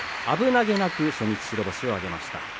危なげなく初日白星を挙げました。